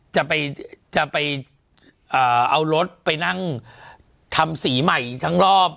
จะไปจะไปเอารถไปนั่งทำสีใหม่ทั้งรอบ